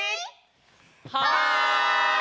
はい！